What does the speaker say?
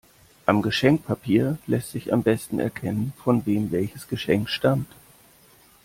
Am Geschenkpapier lässt sich am besten erkennen, von wem welches Geschenk stammt.